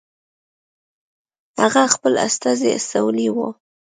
هغه خپل استازی استولی وو.